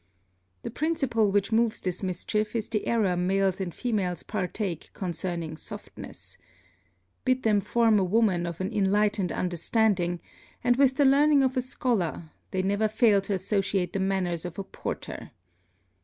The principle which moves this mischief is the error males and females partake concerning softness. Bid them form a woman of an enlightened understanding, and with the learning of a scholar they never fail to associate the manners of a porter.